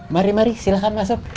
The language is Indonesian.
mari mari silakan masuk